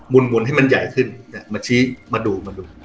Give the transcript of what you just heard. หมุนให้มันใหญ่ขึ้นมาชี้มาดูมาดู